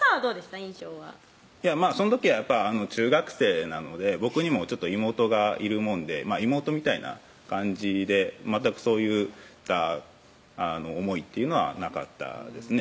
印象はその時はやっぱ中学生なので僕にも妹がいるもんで妹みたいな感じで全くそういった思いっていうのはなかったですね